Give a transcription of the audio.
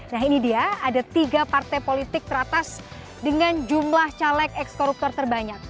nah ini dia ada tiga partai politik teratas dengan jumlah caleg ekskoruptor terbanyak